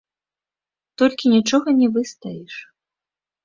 Толькі нічога не выстаіш.